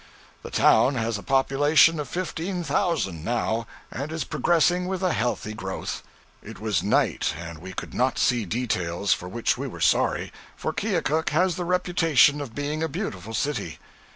The town has a population of fifteen thousand now, and is progressing with a healthy growth. It was night, and we could not see details, for which we were sorry, for Keokuk has the reputation of being a beautiful city.